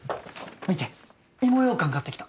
見て芋ようかん買ってきた。